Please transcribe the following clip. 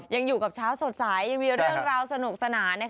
ยังอยู่กับเช้าสดใสยังมีเรื่องราวสนุกสนาน